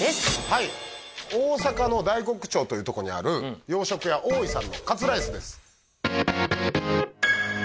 はい大阪の大国町というとこにある洋食屋大井さんのカツライスです